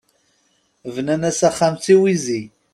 Bnan-as axxam d tiwizi.